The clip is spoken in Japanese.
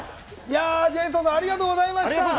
ジェイソンさん、ありがとうございました。